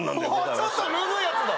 ちょっと脱ぐやつだ！